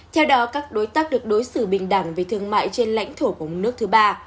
theo đó các đối tác được đối xử bình đẳng về thương mại trên lãnh thổ của nước thứ ba